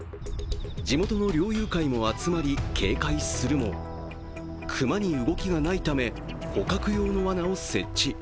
地元の猟友会も集まり警戒するも、熊に動きがないため、捕獲用のわなを設置。